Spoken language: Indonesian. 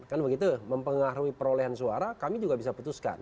kan begitu mempengaruhi perolehan suara kami juga bisa putuskan